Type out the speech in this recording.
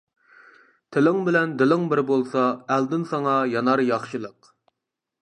تىلىڭ بىلەن دىلىڭ بىر بولسا، ئەلدىن ساڭا يانار ياخشىلىق.